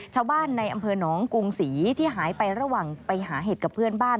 ชาวบ้านในอำเภอหนองกรุงศรีที่หายไประหว่างไปหาเห็ดกับเพื่อนบ้าน